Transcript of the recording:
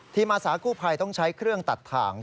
อาสากู้ภัยต้องใช้เครื่องตัดถ่าง